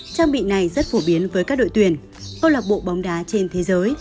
trang bị này rất phổ biến với các đội tuyển câu lạc bộ bóng đá trên thế giới